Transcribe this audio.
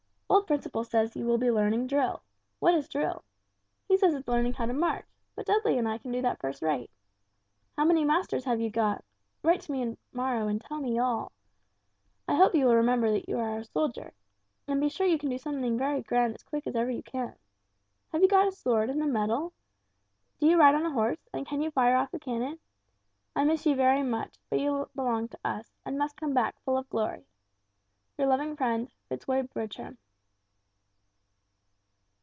Old Principle says you will be learning drill. What is drill? He says it's learning how to march, but Dudley and I can do that first rate. How many masters have you got? Write to me to morrow and tell me all. I hope you will remember you are our soldier, and be sure you do something very grand as quick as ever you can. Have you got a sword and a medal? Do you ride on a horse, and can you fire off the cannon? I miss you very much but you belong to us, and must come back full of glory. "Your loving friend, "FITZ ROY BERTRAM."